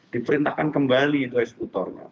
diperintahkan kembali itu eskutornya